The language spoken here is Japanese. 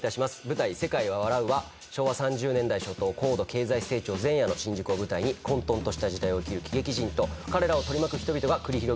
舞台『世界は笑う』は昭和３０年代初頭高度経済成長前夜の新宿を舞台に混沌とした時代を生きる喜劇人と彼らを取り巻く人々が繰り広げる人間ドラマです。